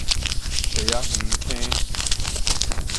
苧仔園坑